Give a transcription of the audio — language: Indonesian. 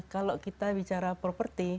kalau kita bicara properti